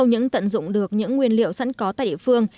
những tận dụng được những nguyên liệu sẵn có tại địa phương